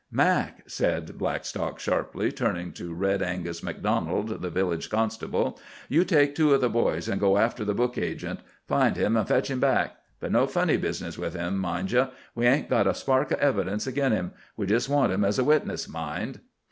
"Mac," said Blackstock sharply, turning to Red Angus MacDonald, the village constable, "you take two of the boys an' go after the Book Agent. Find him, an' fetch him back. But no funny business with him, mind you. We hain't got a spark of evidence agin him. We jest want him as a witness, mind."